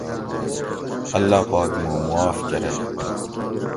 اللّٰہ پاک موُ مُعاف کۤرئ